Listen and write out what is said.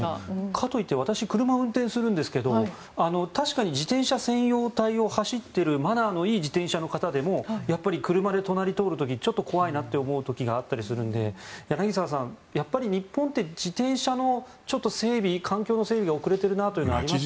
かといって私、車を運転するんですが確かに自転車専用帯を走っているマナーのいい自転車の方でもやっぱり車で隣を通る時ちょっと怖いなと思ったりするので柳澤さん日本って自転車の環境の整備が遅れているなというのはありますよね。